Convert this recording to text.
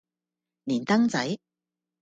連登仔